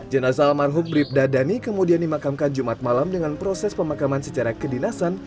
jenazah almarhum bribda dhani kemudian dimakamkan jumat malam dengan proses pemakaman secara kedinasan